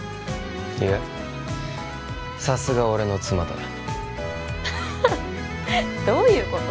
いやさすが俺の妻だハッハどういうこと？